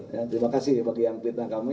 terima kasih bagi yang pitnah kami